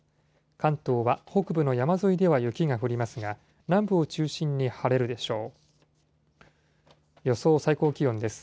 関東は北部の山沿いでは雪が降りますが、南部を中心に晴れるでしょう。